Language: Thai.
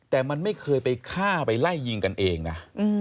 แต่มันไม่เคยไปฆ่าไปไล่ยิงกันเองนะ